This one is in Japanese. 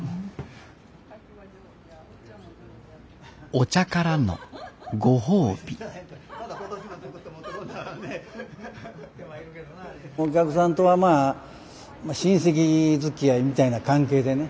お茶からのご褒美お客さんとはまあ親戚づきあいみたいな関係でね。